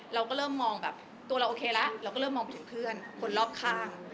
เราก็เริ่มมองแบบตัวเราโอเคแล้วเราก็เริ่มมองไปถึงเพื่อนคนรอบข้าง